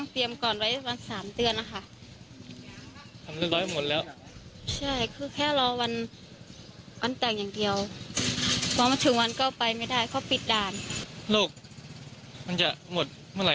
เป็นเจ๊กับเฮียแล้วก็พ่อแม่ของผู้ชาย